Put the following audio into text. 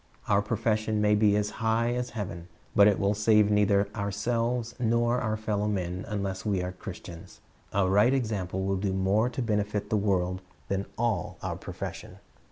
Our profession may be as high as heaven, but it will save neither ourselves nor our fellow men unless we are Christians. A right example will do more to benefit the world than all our profession.